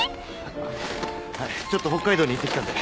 ちょっと北海道に行ってきたんで。